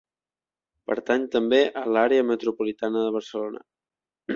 Pertany també a l'Àrea Metropolitana de Barcelona.